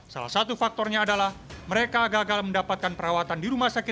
salah satu faktornya adalah mereka gagal mendapatkan perawatan di rumah sakit